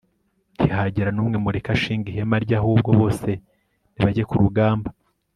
ntihagire n'umwe mureka ashinga ihema rye ahubwo bose nibajye ku rugamba